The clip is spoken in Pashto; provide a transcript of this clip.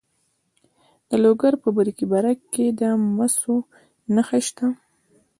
د لوګر په برکي برک کې د مسو نښې شته.